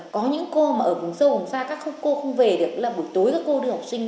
có những cô mà ở vùng sâu vùng xa các cô không về được là buổi tối các cô đưa học sinh